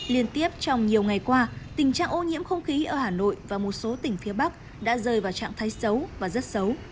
liên tiếp trong nhiều ngày qua tình trạng ô nhiễm không khí ở hà nội và một số tỉnh phía bắc đã rời vào trạng thái xấu